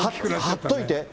貼っといて。